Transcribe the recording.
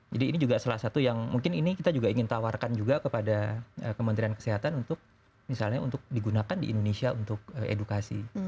jadi ini juga salah satu yang mungkin ini kita juga ingin tawarkan juga kepada kementerian kesehatan untuk misalnya untuk digunakan di indonesia untuk edukasi